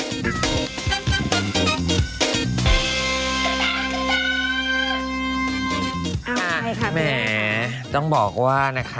เอาไงครับนี่แหมต้องบอกว่านะคะ